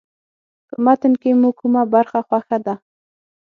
په متن کې مو کومه برخه خوښه ده.